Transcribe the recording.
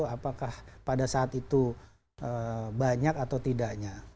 apakah pada saat itu banyak atau tidaknya